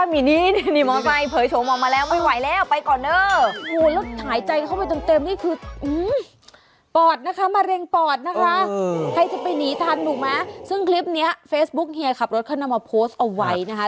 ซึ่งคลิปนี้เฟซบุ๊กเฮียขับรถเขานำมาโพสต์เอาไว้นะคะ